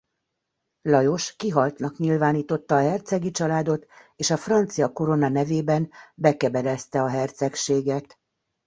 Lajos kihaltnak nyilvánította a hercegi családot és a francia korona nevében bekebelezte a hercegséget.